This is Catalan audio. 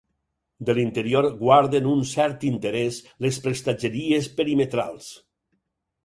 De l'interior guarden un cert interès les prestatgeries perimetrals.